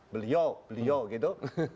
beliau beliau gitu